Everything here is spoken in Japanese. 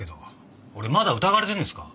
俺まだ疑われてるんですか？